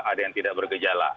ada yang tidak bergejala